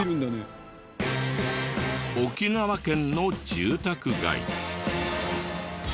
沖縄県の住宅街。